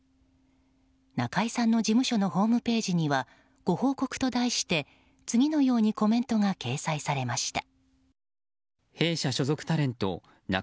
中居さんの事務所のホームページにはご報告と題して、次のようにコメントが掲載されました。